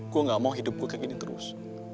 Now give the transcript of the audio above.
gue gak mau hidup gue kayak gini terus